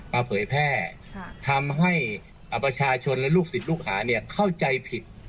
เผยแพร่ทำให้ประชาชนและลูกศิษย์ลูกหาเนี่ยเข้าใจผิด